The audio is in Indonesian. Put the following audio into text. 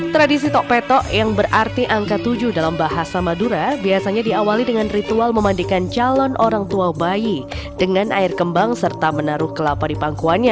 tradisi tokpetok yang berarti angka tujuh dalam bahasa madura biasanya diawali dengan ritual memandikan calon orang tua bayi dengan air kembang serta menaruh kelapa di pangkuannya